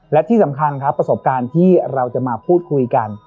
และที่สำคัญครับประสบการณ์ที่เราจะมาพูดคุยกัน